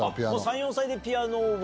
３４歳でピアノを。